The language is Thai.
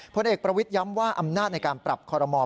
ผลเอกประวิทย้ำว่าอำนาจในการปรับคอรมอล